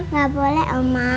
gak boleh oma